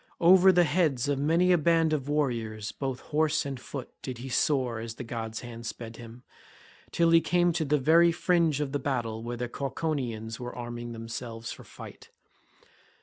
Over the heads of many a band of warriors both horse and foot did he soar as the god's hand sped him, till he came to the very fringe of the battle where the Cauconians were arming themselves for fight.